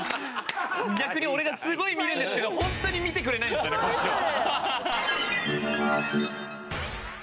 逆に俺がすごい見るんですけどホントに見てくれないんですよねこっちを。